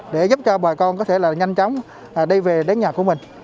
để giúp cho bà con có thể là nhanh chóng đi về đến nhà của mình